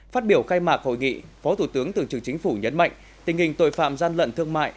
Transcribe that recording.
phát biểu khai mạc hội nghị phó thủ tướng tường trưởng chính phủ nhấn mạnh tình hình tội phạm gian lận thương mại